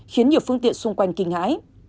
khiến nhiều phương tiện xung quanh kinh hãi